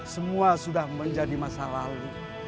semua sudah menjadi masa lalu